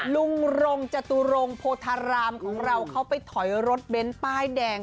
ลุงรงจตุรงโพธารามของเราเขาไปถอยรถเบ้นป้ายแดง